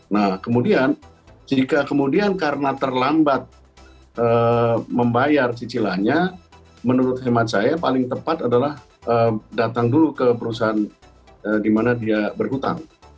nah kemudian jika kemudian karena terlambat membayar cicilannya menurut hemat saya paling tepat adalah datang dulu ke perusahaan di mana dia berhutang